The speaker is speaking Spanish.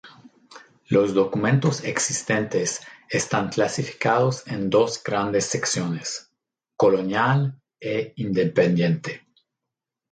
Los documentos existentes están clasificados en dos grandes secciones: Colonial e Independiente.